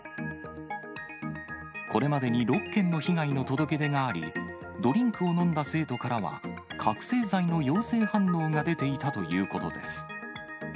これまでに６件の被害の届け出があり、ドリンクを飲んだ生徒からは、覚醒剤の陽性反応が出ていたということです。